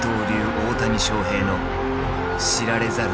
大谷翔平の知られざる物語。